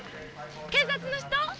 警察の人？